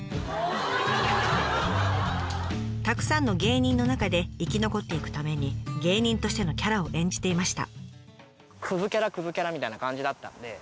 たくさんの芸人の中で生き残っていくために芸人としてのキャラを演じていました。